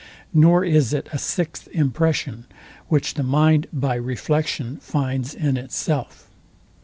Nor is it a sixth impression, which the mind by reflection finds in itself.